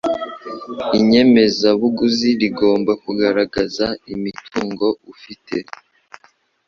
inyemezabuguzi rigomba kugaragaza imitungo ufite